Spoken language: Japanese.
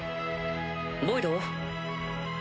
ボイド？